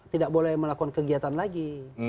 tidak boleh melakukan kegiatan lagi